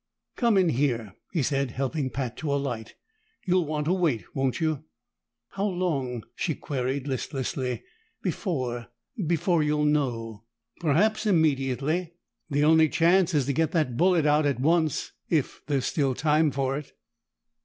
"Come in here," he said, helping Pat to alight. "You'll want to wait, won't you?" "How long," she queried listlessly, "before before you'll know?" "Perhaps immediately. The only chance is to get that bullet out at once if there's still time for it."